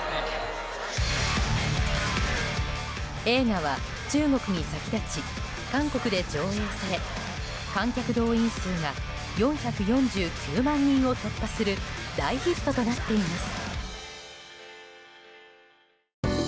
映画は中国に先立ち韓国で上映され観客動員数が４４９万人を突破する大ヒットとなっています。